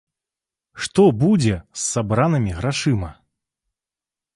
Што будзе з сабранымі грашыма?